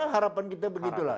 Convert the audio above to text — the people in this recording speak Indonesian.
harapan kita begitulah